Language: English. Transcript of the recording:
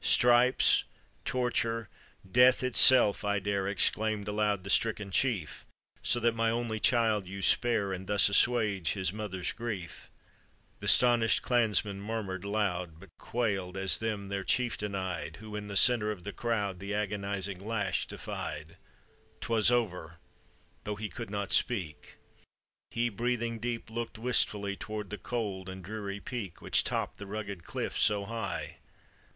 "Stripes, torture, death itself I dare," Exclaimed aloud the stricken chief, " So that my only child you spare, And thus assuage his mother's grief." Th' astonished clansmen murmured loud, But quailed as them their chieftain eyed, Who in the center of the crowd, The agonizing lash defied. 'Twas over, tho' he could not speak, He, breathing deep, look'd wistfully Toward the cold and dreary peak Which topped the rugged cliff so high.